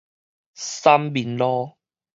三民路